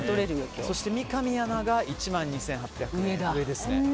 そして三上アナが１万２８００円、上ですね。